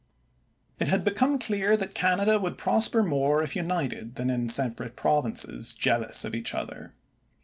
It had become clear that Canada would prosper more if united than in separate provinces jealous of each other.